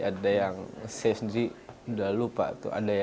ada yang saya sendiri udah lupa tuh